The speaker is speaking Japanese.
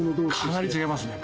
かなり違いますね。